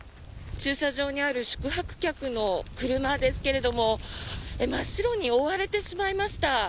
駐車場にある宿泊客の車ですけれども真っ白に覆われてしまいました。